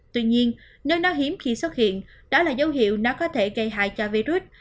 tuy nhiên nơi nó hiếm khi xuất hiện đó là dấu hiệu nó có thể gây hại cho virus